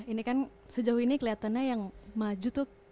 ini kan sejauh ini kelihatannya yang maju tuh